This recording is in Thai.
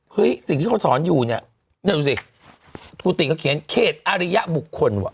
เฮ้ยสิ่งที่เค้าสอนอยู่เนี่ยนั่นดูสิถูติก็เขียนเขตอริยบุคคลว่ะ